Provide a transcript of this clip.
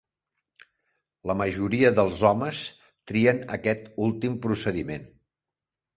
La majoria dels homes trien aquest últim procediment.